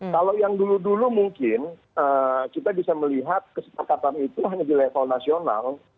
kalau yang dulu dulu mungkin kita bisa melihat kesepakatan itu hanya di level nasional